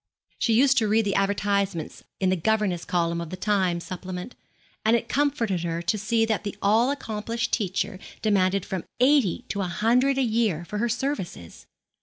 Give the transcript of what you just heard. She used to read the advertisements in the governess column of the Times supplement, and it comforted her to see that an all accomplished teacher demanded from eighty to a hundred a year for her services.